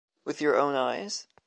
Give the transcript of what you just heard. With your own eyes?